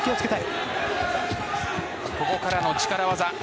ここからの力技。